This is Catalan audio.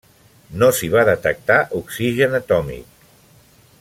No s’hi va detectar oxigen atòmic.